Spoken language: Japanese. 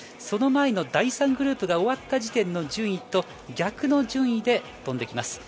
その前の第３グループが終わった時点の順位と逆の順位で飛んでいきます。